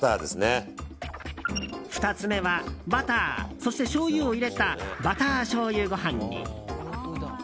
２つ目はバターそして、しょうゆを入れたバターしょうゆご飯に。